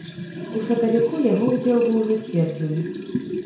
У сакавіку яго ўдзел быў зацверджаны.